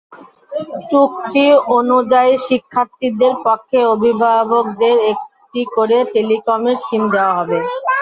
চুক্তি অনুযায়ী শিক্ষার্থীদের পক্ষে অভিভাবকদের একটি করে টেলিটকের সিম দেওয়া হবে।